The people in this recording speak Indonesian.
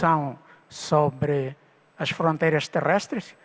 tentang perjalanan terrestri